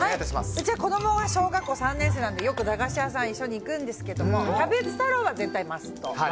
うちは子供が小学校３年生なんでよく駄菓子屋さん一緒に行くんですけどもキャベツ太郎は絶対マスト。